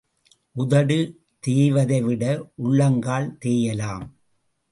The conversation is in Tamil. உதடு தேய்வதைவிட உள்ளங்கால் தேயலாம்.